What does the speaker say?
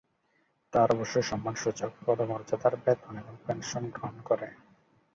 তারা অবশ্য সম্মানসূচক পদমর্যাদার বেতন এবং পেনশন গ্রহণ করে।